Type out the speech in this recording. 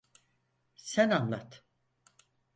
Sen anlat!